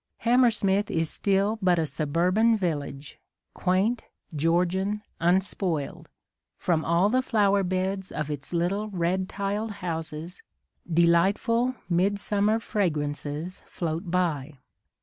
Hammersmith is still but a suburban village, quaint, Georgian, unspoiled : from all the flower beds of its little red tiled houses delightful midsummer fragrances float by.